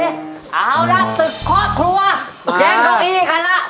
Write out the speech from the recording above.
เอาล่ะสุดโคตรครัวแจ้งกลางอีกครั้งละ